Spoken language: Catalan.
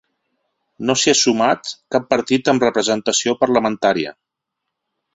No s’hi ha sumat cap partit amb representació parlamentària.